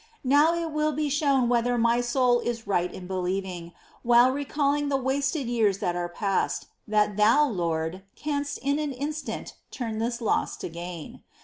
Now it will be shown whether my soul is right in believing, while recalling the wasted years that are past, that Thou, Lord, canst in an instant turn this loss to gain.